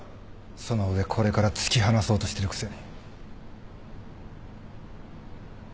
その上これから突き放そうとしてるくせに。